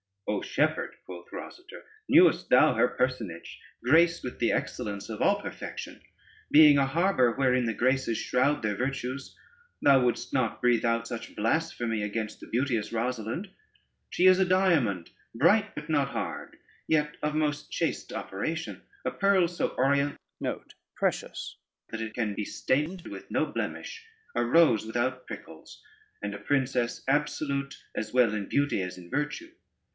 "O Shepherd," quoth Rosader, "knewest thou her personage, graced with the excellence of all perfection, being a harbor wherein the graces shroud their virtues, thou wouldest not breathe out such blasphemy against the beauteous Rosalynde. She is a diamond, bright but not hard, yet of most chaste operation; a pearl so orient, that it can be stained with no blemish; a rose without prickles, and a princess absolute as well in beauty as in virtue.